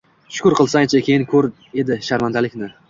Shukr qilsang-chi, keyin ko‘r edi sharmandalikni.